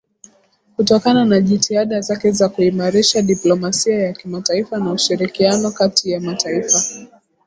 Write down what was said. kutokana na jitihada zake za kuimarisha diplomasia ya kimataifa na ushirikiano katia ya mataifa